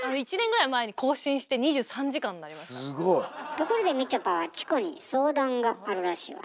ところでみちょぱはチコに相談があるらしいわね。